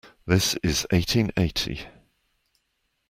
This is eighteen eighty.